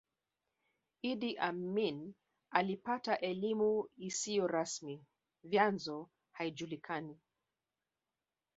Idi Amin alipata elimu isiyo rasmi vyanzo haijulikani